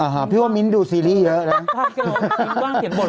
อ่าฮะพี่ว่ามิ้นท์ดูซีรีส์เยอะนะ